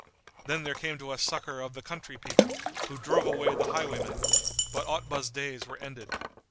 Then there came to us succour of the country people, who drove away the highwaymen; but Otbah's days were ended.